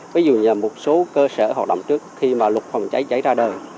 ví dụ như là một số cơ sở hoạt động trước khi mà lục phòng cháy cháy ra đời